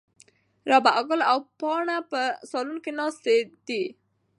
رابعه ګل او پاڼه په صالون کې ناستې دي.